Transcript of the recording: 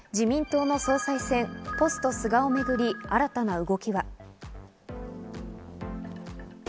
自民党の総裁選ポスト菅をめぐり新たな動きが。